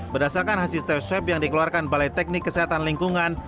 berdasarkan hasil tes swab yang dikeluarkan balai teknik kesehatan lingkungan